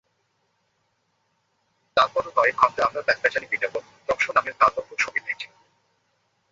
তারপরও কয়েক ঘণ্টা আমরা প্যাচপ্যাচানি বিজ্ঞাপন, টকশো নামের গালগপ্পো সবই দেখি।